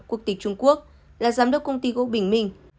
quốc tịch trung quốc là giám đốc công ty gỗ bình minh